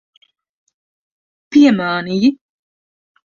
Piemānīji.